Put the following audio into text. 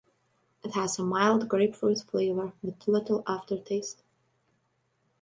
It has a mild grapefruit flavor with little aftertaste.